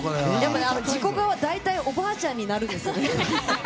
大体おばあちゃんになるんですよね。